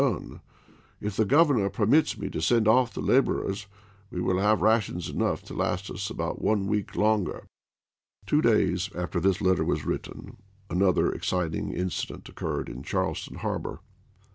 Anderson If the Govcmor permits me to send off the laborers ApriiMsei! we will have rations enough to last us about one W. R. Vol. 1 1 „ I., p. 230. week longer." Two days after this letter was written another exciting incident occurred in Charleston harbor.